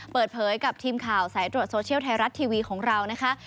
เปิดเผยกับทีมข่าวสายตรวจโซเชียลไทยรัฐทีวีของเรานะคะ